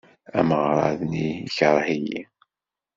Ameɣrad-nni yekṛeh-iyi.